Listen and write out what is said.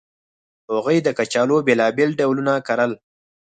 هغوی د کچالو بېلابېل ډولونه کرل